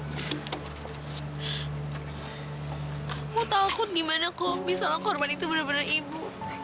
aku takut gimana kok misalnya korban itu benar benar ibu